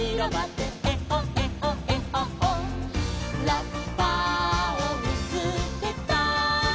「ラッパをみつけたよ」